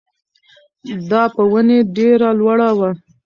دا په ونې ډېره لوړه وه.